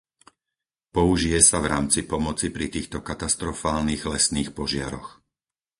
Použije sa v rámci pomoci pri týchto katastrofálnych lesných požiaroch.